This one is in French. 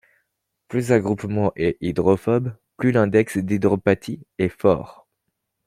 Plus un groupement est hydrophobe, plus l'index d'hydropathie est fort.